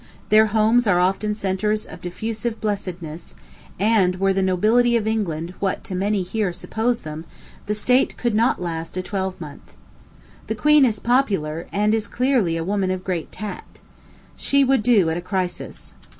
Their homes are often centres of diffusive blessedness; and were the nobility of England what too many here suppose them, the state could not last a twelvemonth. The queen is popular, and is clearly a woman of great tact. She would do at a crisis.